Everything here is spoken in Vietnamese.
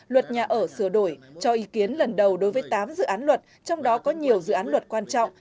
luật nhà ở sửa đổi cho ý kiến lần đầu đối với tám dự án luật trong đó có nhiều dự án luật quan trọng